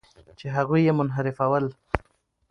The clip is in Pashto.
چې هغوی یې منحرفول.